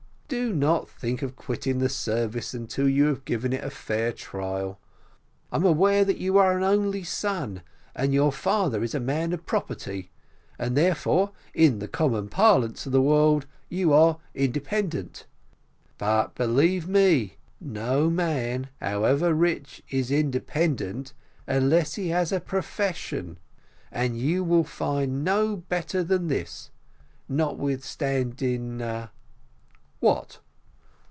Do not think of quitting the service until you have given it a fair trial. I am aware that you are an only son, and your father is a man of property, and, therefore, in the common parlance of the world, you are independent; but, believe me, no man, however rich, is independent, unless he has a profession, and you will find no better than this, notwithstanding " "What?"